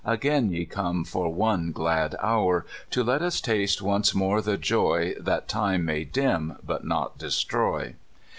Again ve come for one glad hour. To let us taste once more the joy That time may dim, but not destroy.